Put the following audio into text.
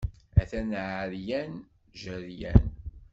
Atan ɛeryan, jeryan.